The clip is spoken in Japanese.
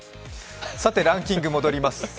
ランキング戻ります。